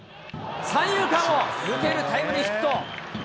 三遊間を抜けるタイムリーヒット。